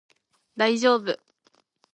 大丈夫